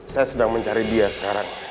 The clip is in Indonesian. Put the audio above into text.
saya sedang mencari dia sekarang